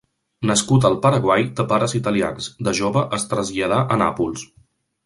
Nascut al Paraguai de pares italians, de jove es traslladà a Nàpols.